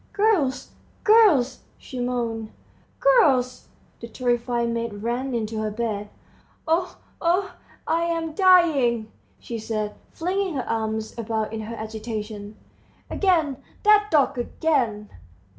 "Girls, girls!" she moaned. "Girls!" The terrified maids ran into her bedroom. "Oh, oh, I am dying!" she said, flinging her arms about in her agitation. "Again, that dog, again!